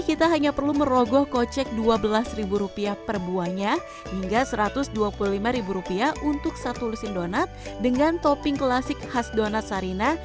kita hanya perlu merogoh kocek rp dua belas per buahnya hingga rp satu ratus dua puluh lima untuk satu lusin donat dengan topping klasik khas donat sarina